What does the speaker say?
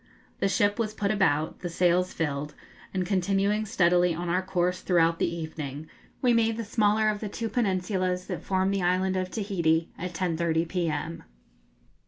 The ship was put about, the sails filled, and, continuing steadily on our course throughout the evening, we made the smaller of the two peninsulas that form the island of Tahiti at 10.30 p.m.